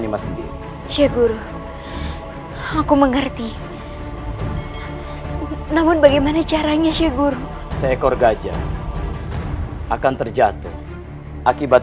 nimas sendiri syekh guru aku mengerti namun bagaimana caranya syekh guru seekor gajah akan terjatuh akibat